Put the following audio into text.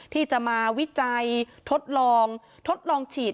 ที่จะมาวิจัยทดลองทดลองฉีด